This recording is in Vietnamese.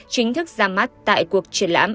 chính thức ra mắt tại cuộc triển lãm